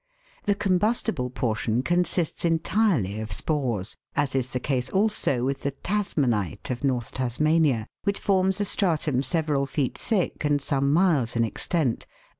The combustible portion consists entirely of spores, as is the case also with the " Tasmanite " of North Tas mania, which forms a stra tum several feet thick and some miles in extent, and Fig.